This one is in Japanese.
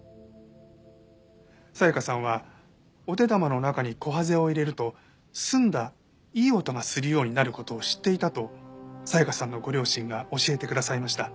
紗香さんはお手玉の中にコハゼを入れると澄んだいい音がするようになる事を知っていたと紗香さんのご両親が教えてくださいました。